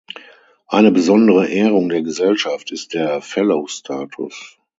Eine besondere Ehrung der Gesellschaft ist der Fellow-Status.